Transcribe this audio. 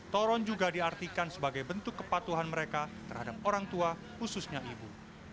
toron juga diartikan sebagai bentuk kepatuhan mereka terhadap orang tua khususnya ibu